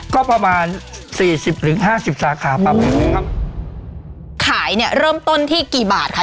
ก็ประมาณสี่สิบถึงห้าสิบสาขาประมาณนี้ครับขายเนี้ยเริ่มต้นที่กี่บาทค่ะ